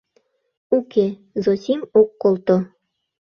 — Уке, — Зосим ок колто.